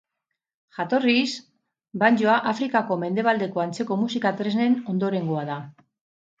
Jatorriz, banjoa Afrikako mendebaldeko antzeko musika-tresnen ondorengoa da.